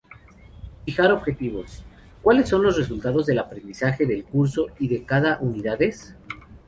Fijar objetivos: ¿cuáles son los resultados del aprendizaje del curso y de cada unidades?